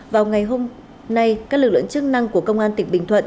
vào ngày hôm nay các lực lượng chức năng của công an tỉnh bình thuận